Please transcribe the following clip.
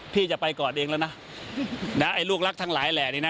พี่จะไปกอดเองแล้วนะไอ้ลูกรักทั้งหลายแหล่นี่นะ